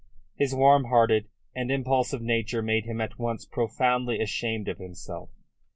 His warm hearted and impulsive nature made him at once profoundly ashamed of himself.